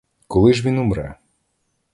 Коли ж він умре?